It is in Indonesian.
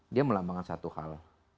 dia melambangkan satu hal